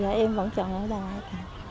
dạ em vẫn chọn ở đà lạt